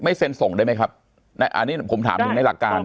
เซ็นส่งได้ไหมครับอันนี้ผมถามถึงในหลักการ